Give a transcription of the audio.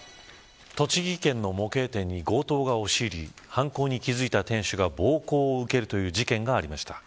栃木県の模型店に強盗が押し入り犯行に気付いた店主が暴行を受けるという事件がありました。